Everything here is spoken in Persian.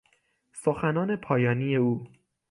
سخنان پایانی او